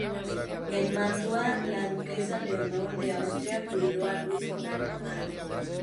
En Mantua, la duquesa Leonor de Austria cuidó a Luis como una madre.